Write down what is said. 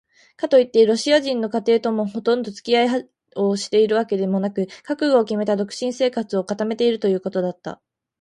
かといってロシア人の家庭ともほとんどつき合いをしているわけでもなく、覚悟をきめた独身生活を固めているということだった。